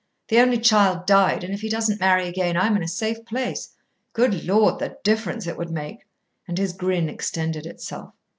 The only child died, and if he doesn't marry again, I'm in a safe place. Good Lord! the difference it would make!" and his grin extended itself.